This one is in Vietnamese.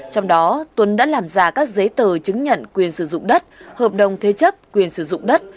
trong đó tuấn đã làm ra các giấy tờ chứng nhận quyền sử dụng đất hợp đồng thế chấp quyền sử dụng đất